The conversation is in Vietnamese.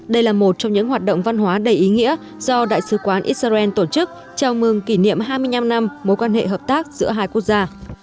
đây là một trong những hoạt động văn hóa đầy ý nghĩa do đại sứ quán israel tổ chức chào mừng kỷ niệm hai mươi năm năm mối quan hệ hợp tác giữa hai quốc gia